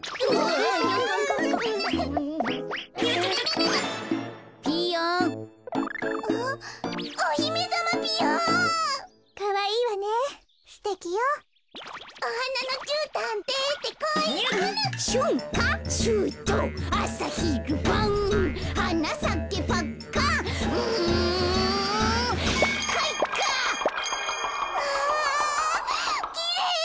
うわきれい！